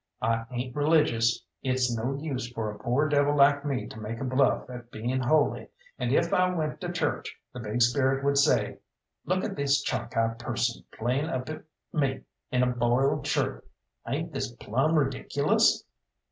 I ain't religious; it's no use for a poor devil like me to make a bluff at being holy, and if I went to church the Big Spirit would say: "Look at this Chalkeye person playing up at Me in a boiled shirt ain't this plumb ridiculous?"